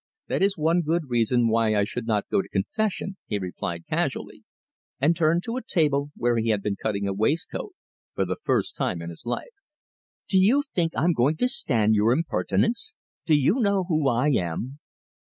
"That is one good reason why I should not go to confession," he replied casually, and turned to a table where he had been cutting a waistcoat for the first time in his life. "Do you think I'm going to stand your impertinence? Do you know who I am?"